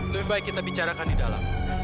lebih baik kita bicarakan di dalam